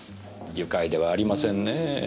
愉快ではありませんねぇ。